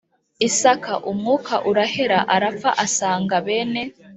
Isaka umwuka urahera arapfa asanga bene